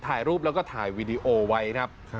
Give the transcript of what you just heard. ถ่ายรูปแล้วก็ถ่ายวีดีโอไว้ครับ